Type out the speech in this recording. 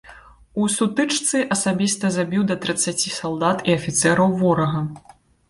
У сутычцы асабіста забіў да трыццаці салдат і афіцэраў ворага.